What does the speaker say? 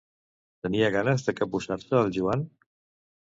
Tenia ganes de capbussar-se el Joan?